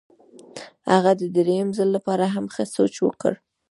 هغه د درېیم ځل لپاره هم ښه سوچ وکړ.